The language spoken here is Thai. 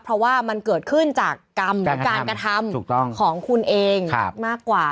เพราะว่ามันเกิดขึ้นจากกรรมหรือการกระทำของคุณเองมากกว่า